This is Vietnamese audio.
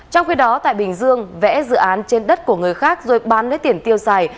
trong khi đó tại bình dương vẽ dự án trên đất của người khác rồi bán lấy tiền tiêu xài